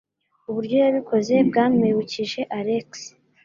Uburyo yabikoze bwamwibukije Alex.